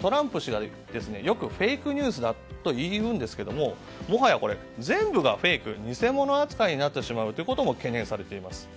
トランプ氏がよくフェイクニュースだと言うんですけどももはや全部がフェイク偽物扱いになることも懸念されています。